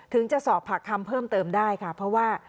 จะสอบปากคำเพิ่มเติมได้ค่ะเพราะว่า